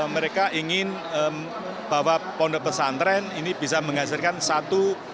mereka ingin bahwa pondok pesantren ini bisa menghasilkan satu